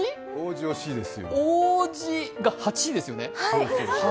王子が８ですよね。